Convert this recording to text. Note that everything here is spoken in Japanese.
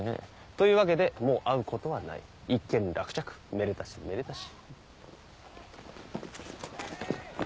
というわけでもう会うことはない一件落着めでたしめでたし。